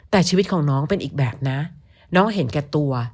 แต่ชีวิตของน้องเป็นอีกแบบนะน้องเห็นแก่ตัว